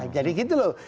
jadi gitu loh